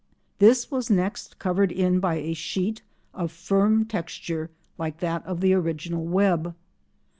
This was next covered in by a sheet of firm texture like that of the original web.